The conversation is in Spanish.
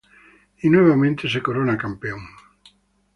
Y nuevamente se corona campeón.